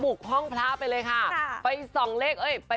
บุกห้องพระไปเลยค่ะ